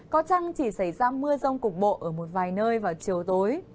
có trăng chỉ xảy ra mưa rông cục bộ ở một vài nơi vào chiều tối